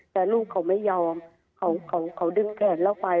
แต่ลูกเขาไม่ยอมเขาดึงแขนเราไป